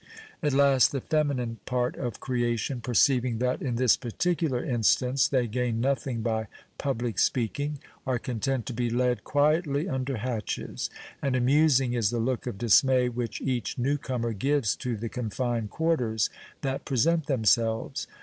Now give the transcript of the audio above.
At last, the feminine part of creation, perceiving that, in this particular instance, they gain nothing by public speaking, are content to be led quietly under hatches; and amusing is the look of dismay which each new comer gives to the confined quarters that present themselves.